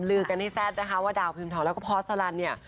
ลืดกันให้แซ่นนะคะว่าดาวพิมทองและพอสต์สลันเนี่ย